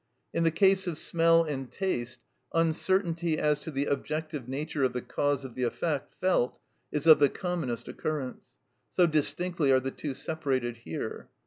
In the case of smell and taste uncertainty as to the objective nature of the cause of the effect felt is of the commonest occurrence, so distinctly are the two separated here.